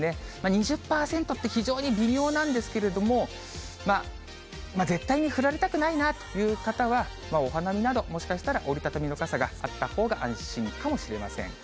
２０％って非常に微妙なんですけれども、絶対に降られたくないなという方は、お花見など、もしかしたら折り畳みの傘があったほうが安心かもしれません。